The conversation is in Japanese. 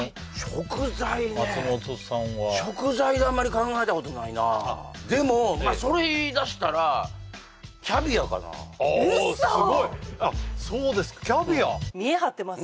食材ねえ松本さんは食材であんまり考えたことないなでもまあそれ言いだしたらああすごいウソそうですかキャビア違う